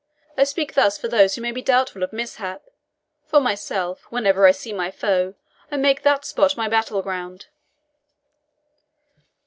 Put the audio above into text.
I speak thus for those who may be doubtful of mishap; for myself, wherever I see my foe, I make that spot my battle ground."